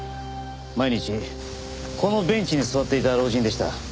毎日このベンチに座っていた老人でした。